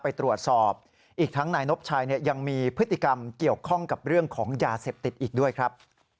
ไปตรวจสอบอีกทั้งนายนบชัยยังมีพฤติกรรมเกี่ยวข้องกับเรื่องของยาเสพติดอีกด้วยครับ